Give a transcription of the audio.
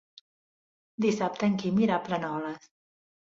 Dissabte en Quim irà a Planoles.